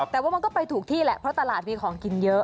แต่ว่ามันก็ไปถูกที่แหละเพราะตลาดมีของกินเยอะ